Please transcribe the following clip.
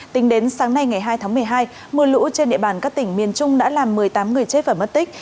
tính đến sáng nay ngày hai tháng một mươi hai mưa lũ trên địa bàn các tỉnh miền trung đã làm một mươi tám người chết và mất tích